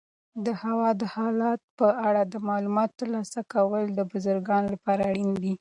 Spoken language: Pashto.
د هوا د حالاتو په اړه معلومات ترلاسه کول د بزګرانو لپاره اړین دي.